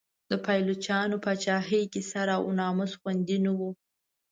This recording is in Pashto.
د پایلوچانو په پاچاهۍ کې سر او ناموس خوندي نه و.